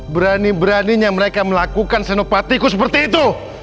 berani beraninya mereka melakukan senopatiku seperti itu